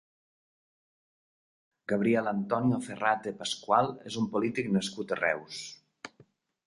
Gabriel Antonio Ferrate Pascual és un polític nascut a Reus.